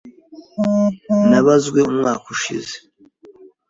Nabazwe umwaka ushize.